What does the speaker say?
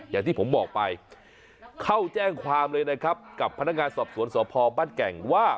อย่างที่ผมบอกไปเข้าแจ้งความเลยนะครับกับพนักงานสอบสวนสพบ้านแก่งว่า